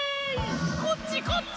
こっちこっち！